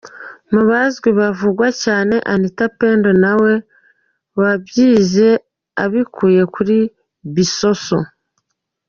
Mu bazwi havugwa cyane Anita Pendo na we wabyize abikuye kuri Bissosso.